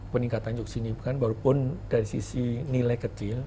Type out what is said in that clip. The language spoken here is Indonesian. peningkatan jogjini bukan baru pun dari sisi nilai kecil